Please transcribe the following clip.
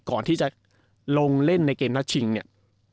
ก่อนที่จะลงเล่นในเกมนัดชิงเนี่ย